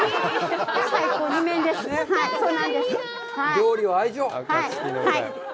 料理は愛情。